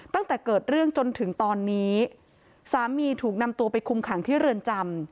ตั้งแต่เกิดเรื่องจนถึงตอนนี้สามีถูกนำตัวไปคุมขังที่เรือนจำ